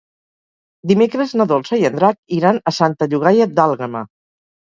Dimecres na Dolça i en Drac iran a Santa Llogaia d'Àlguema.